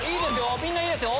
みんないいですよ。